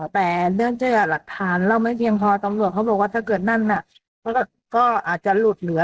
วันสันไม่ได้โกหก